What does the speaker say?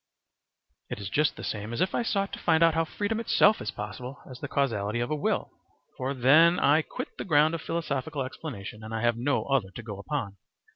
It is just the same as if I sought to find out how freedom itself is possible as the causality of a will. For then I quit the ground of philosophical explanation, and I have no other to go upon.